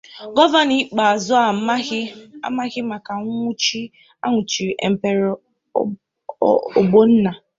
Gọvanọ Ikpeazu amaghị maka nwuchi anwuchiri Emperor Ogbonna